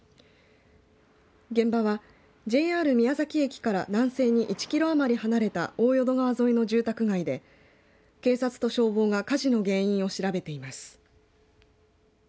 現場はＪＲ宮崎駅から南西に１キロ余り離れた大淀川沿いの住宅街で警察と消防が火事の原因を調べています。